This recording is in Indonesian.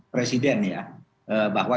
presiden ya bahwa